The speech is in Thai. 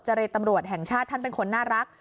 เรตำรวจแห่งชาติท่านเป็นคนน่ารัก